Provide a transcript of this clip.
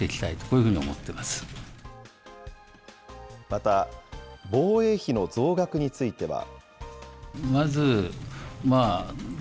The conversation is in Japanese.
また、防衛費の増額については。